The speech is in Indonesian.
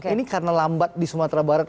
ini karena lambat di sumatera barat